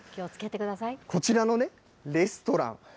こちらのね、レストラン。